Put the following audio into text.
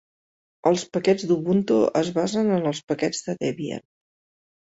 Els paquets d'Ubuntu es basen en els paquets de Debian.